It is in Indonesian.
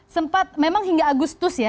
sempat memang hingga agustus ya